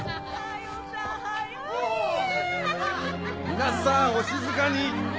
皆さんお静かに！